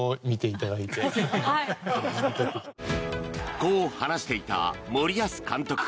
こう話していた森保監督。